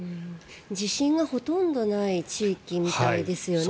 地震がほとんどない地域みたいですよね。